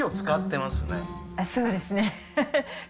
使ってます。